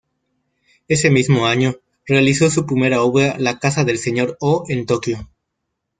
Ese mismo año realizó su primera obra la casa del Sr. O en Tokio.